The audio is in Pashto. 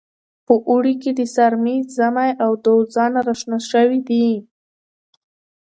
په اواړه کې سارمې، زمۍ او دوزان راشنه شوي دي.